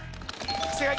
正解。